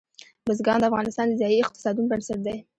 بزګان د افغانستان د ځایي اقتصادونو بنسټ دی.